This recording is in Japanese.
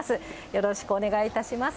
よろしくお願いします。